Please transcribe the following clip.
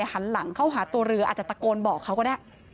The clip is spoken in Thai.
หันหลังเข้าหาตัวเรืออาจจะตะโกนบอกเขาก็ได้